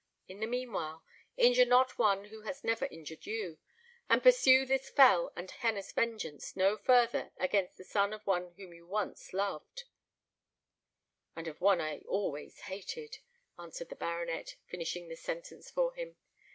In the mean while, injure not one who has never injured you, and pursue this fell and heinous vengeance no further against the son of one whom you once loved " "And of one I always hated," answered the baronet, finishing the sentence for him.